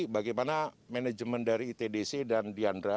bagaimana manajemen dari itdc dan diandra